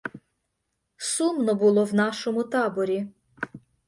Сумно було в нашому таборі.